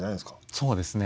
そうですね。